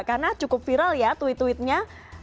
karena cukup viral ya tweet tweetnya